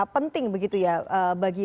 penting begitu ya bagi